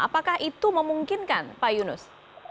apakah itu memungkinkan pak yunus